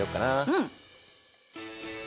うん。